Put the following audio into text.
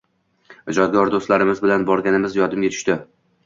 Ijodkor doʻstlarimiz bilan borganimiz yodimga tushdi.